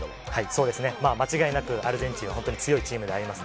そうですね、間違いなくアルゼンチンは本当に強いチームであります。